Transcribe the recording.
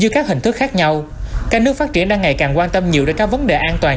các nước phát triển đang ngày càng quan tâm nhiều đến các vấn đề an toàn